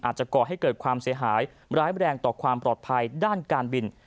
ก่อให้เกิดความเสียหายร้ายแรงต่อความปลอดภัยด้านการบิน